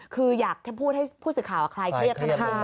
คืออยากพูดให้ผู้สื่อข่าวคลายเครียดค่ะ